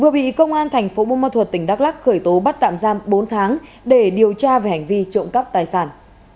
vừa bị công an thành phố bô ma thuật tỉnh đắk lắc khởi tố bắt tạm giam bốn tháng để điều tra về hành vi trộm cắp tài sản